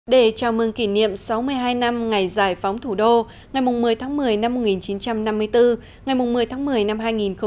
để chào mừng kỷ niệm sáu mươi hai năm ngày giải phóng thủ đô ngày một mươi tháng một mươi năm một nghìn chín trăm năm mươi bốn ngày một mươi tháng một mươi năm hai nghìn hai mươi